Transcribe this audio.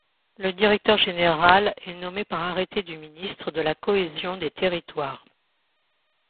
Le directeur général est nommé par arrêté du ministre de la cohésion des territoires.